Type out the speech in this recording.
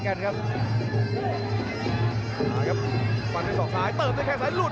มานะครับตั้้มไปสองซ้ายเติบด้วยแค่ซ้ายลุด